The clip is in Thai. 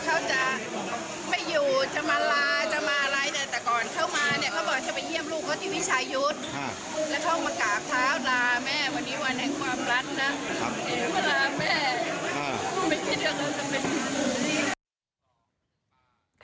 โอเค